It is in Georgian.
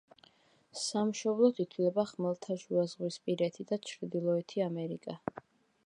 სამშობლოდ ითვლება ხმელთაშუაზღვისპირეთი და ჩრდილოეთი ამერიკა.